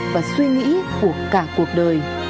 và suy nghĩ của cả cuộc đời